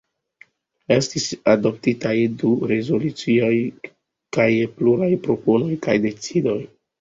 Estis adoptitaj du rezolucioj kaj pluraj proponoj kaj decidoj.